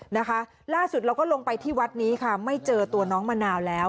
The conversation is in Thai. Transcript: นะคะล่าสุดเราก็ลงไปที่วัดนี้ค่ะไม่เจอตัวน้องมะนาวแล้ว